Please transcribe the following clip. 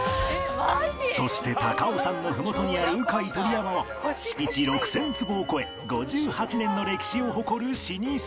そして高尾山のふもとにあるうかい鳥山は敷地６０００坪を超え５８年の歴史を誇る老舗